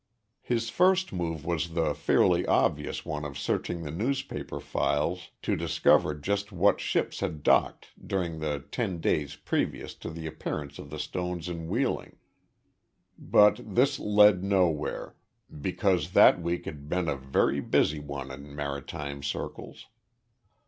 His first move was the fairly obvious one of searching the newspaper files to discover just what ships had docked during the ten days previous to the appearance of the stones in Wheeling. But this led nowhere, because that week had been a very busy one in maritime circles.